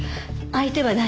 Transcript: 相手は誰？